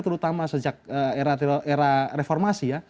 terutama sejak era reformasi ya